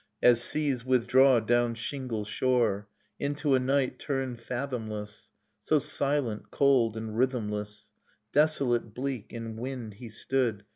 As seas withdraw down shingle shore. Into a night turned fathomless. So silent, cold and rhythmless ... Desolate, bleak, in wind he stood.